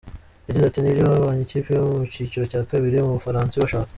Yagize ati “Nibyo babonye ikipe yo mu cyiciro cya kabiri mu Bufaransa ibashaka.